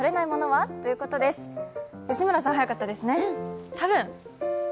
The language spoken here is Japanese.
吉村さん、早かったですね